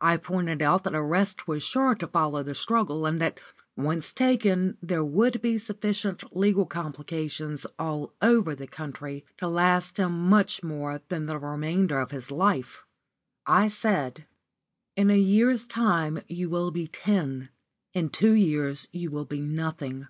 I pointed out that arrest was sure to follow the struggle, and that, once taken, there would be sufficient legal complications all over the country to last him much more than the remainder of his life. I said: "In a year's time you will be ten; in two years you will be nothing.